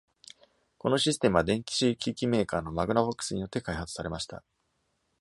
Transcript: このシステムは、電子機器メーカーの Magnavox によって開発されました。